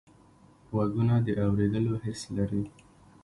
غوږونه د اوریدلو حس لري